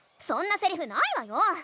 そんなセリフないわよ！